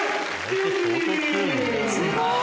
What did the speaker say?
すごい！